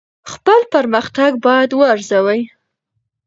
خپل پرمختګ باید وارزوئ.